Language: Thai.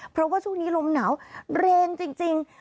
เพราะว่าช่วงนี้ลมหนาวแรงจริง